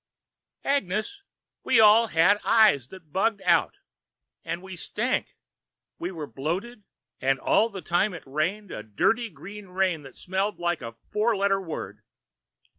"Agnes, we all of us had eyes that bugged out. And we stank! We were bloated, and all the time it rained a dirty green rain that smelled like a four letter word.